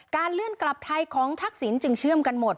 เลื่อนกลับไทยของทักษิณจึงเชื่อมกันหมด